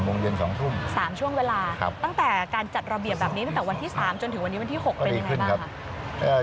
ตั้งแต่วันที่๓จนถึงวันที่๖เป็นอย่างไรบ้าง